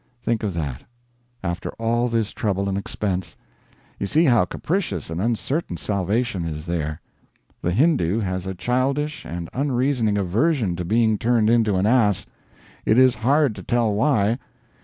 Think of that, after all this trouble and expense. You see how capricious and uncertain salvation is there. The Hindoo has a childish and unreasoning aversion to being turned into an ass. It is hard to tell why.